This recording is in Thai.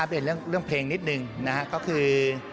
อัปเดตเรื่องเพลงนิดหนึ่งนะครับก็คือ